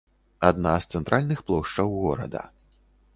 Адна з цэнтральных плошчаў горада.